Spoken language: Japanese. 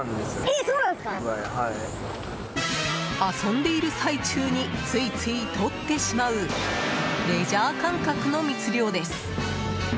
遊んでいる最中についついとってしまうレジャー感覚の密漁です。